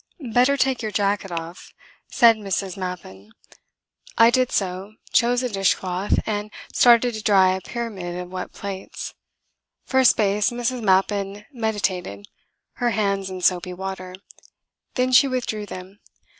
"Better take your jacket off," sighed Mrs. Mappin. I did so, chose a dishcloth, and started to dry a pyramid of wet plates. For a space Mrs. Mappin meditated, her hands in soapy water. Then she withdrew them.